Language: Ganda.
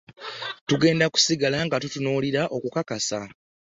“Tugenda kusigala nga tutunuulira okukakasa